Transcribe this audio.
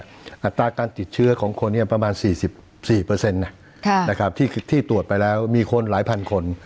อัตราการติดเชื้อของคนประมาณ๔๔ที่ตรวจไปแล้วมีคนหลายพันคน